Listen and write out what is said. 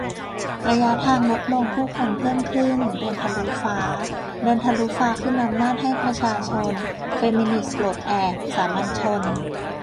ระยะทางลดลงผู้คนเพิ่มขึ้น เดินทะลุฟ้า เดินทะลุฟ้าคืนอำนาจให้ประชาชน เฟมินิสต์ปลดแอก สามัญชน